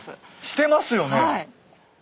してますよね。